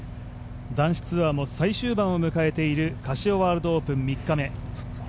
男子ツアーも最終盤を迎えているカシオワールドオープン３日目。